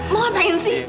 mau ngapain sih